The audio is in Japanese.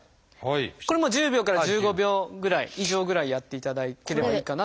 これも１０秒から１５秒ぐらい以上ぐらいやっていただければいいかなと。